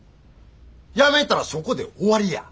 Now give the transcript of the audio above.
やめたらそこで終わりや。